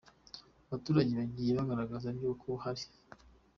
abaturage bagiye bagaragaza by’uko hari.